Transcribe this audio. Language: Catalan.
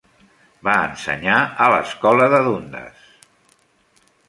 Va ensenyar a l'escola de Dundas.